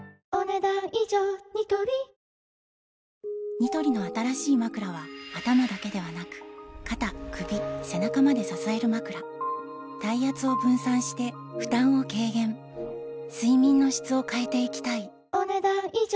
ニトリの新しいまくらは頭だけではなく肩・首・背中まで支えるまくら体圧を分散して負担を軽減睡眠の質を変えていきたいお、ねだん以上。